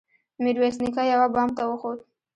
ميرويس نيکه يوه بام ته وخوت.